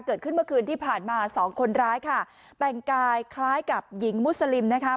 เกิดขึ้นเมื่อคืนที่ผ่านมาสองคนร้ายค่ะแต่งกายคล้ายกับหญิงมุสลิมนะคะ